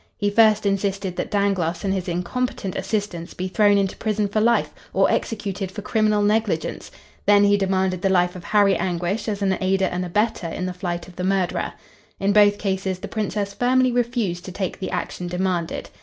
He first insisted that Dangloss and his incompetent assistants be thrown into prison for life or executed for criminal negligence; then he demanded the life of Harry Anguish as an aider and abettor in the flight of the murderer. In both cases the Princess firmly refused to take the action demanded.